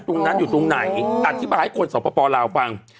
ตรงนั้นอยู่ตรงไหนอธิบายให้คนสปลาวฟัง